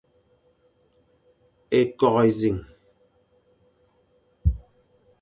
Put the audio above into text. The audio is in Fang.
Ékôkh énẑiñ,